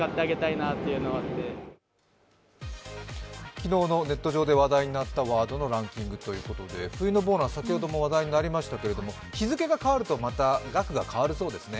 昨日のネット上で話題になったランキングということで冬のボーナス、先ほども話題になりましたけれども日付が変わるとまた額が変わるそうですね。